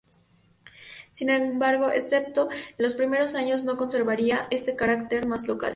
Sin embargo, excepto en los primeros años no conservaría este carácter más local.